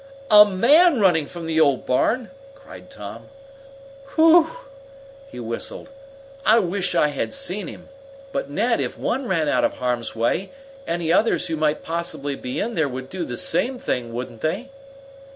"A man running from the old barn!" cried Tom. "Whew!" he whistled. "I wish I had seen him. But, Ned, if one ran out of harm's way, any others who might possibly be in there would do the same thing, wouldn't they?"